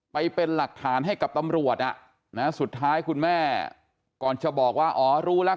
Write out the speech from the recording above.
ไปเป็นหลักฐานให้กับตำรวจสุดท้ายคุณแม่ก่อนจะบอกว่าอ๋อรู้แล้ว